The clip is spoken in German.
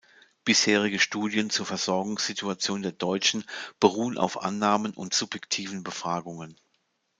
Bisherige Studien zur Versorgungssituation der Deutschen beruhen auf Annahmen und subjektiven Befragungen.